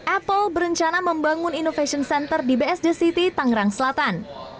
apple berencana membangun innovation center di bsd city tangerang selatan